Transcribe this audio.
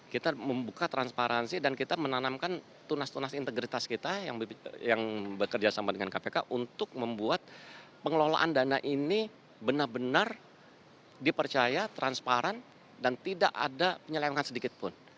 kita membuka transparansi dan kita menanamkan tunas tunas integritas kita yang bekerja sama dengan kpk untuk membuat pengelolaan dana ini benar benar dipercaya transparan dan tidak ada penyelewengan sedikit pun